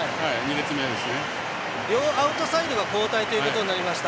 両アウトサイドが交代ということになりました。